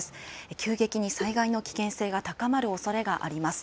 急激に災害の危険性が高まるおそれがあります。